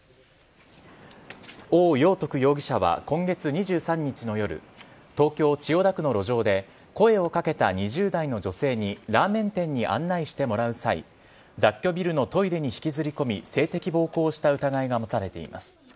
王耀徳容疑者は今月２３日の夜東京・千代田区の路上で声をかけた２０代の女性にラーメン店に案内してもらう際雑居ビルのトイレに引きずり込み性的暴行をした疑いが持たれています。